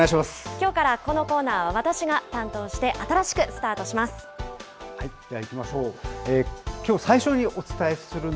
きょうからこのコーナーは私が担当して、新しくスタートします。